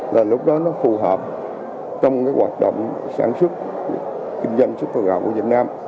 là lúc đó nó phù hợp trong cái hoạt động sản xuất kinh doanh xuất khẩu gạo của việt nam